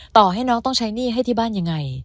ต่อให้น้องต้องใช้หนี้ให้ที่บ้านยังไง